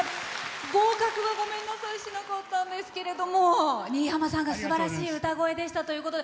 合格は、ごめんなさいしなかったんですけど新浜さんがすばらしい歌声でしたということで。